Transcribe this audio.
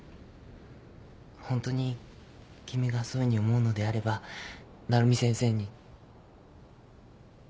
ホントに君がそういうふうに思うのであれば鳴海先生に。